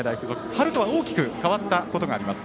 春とは大きく変わったことがあります。